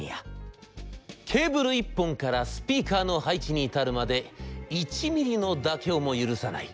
ケーブル一本からスピーカーの配置に至るまで１ミリの妥協も許さない。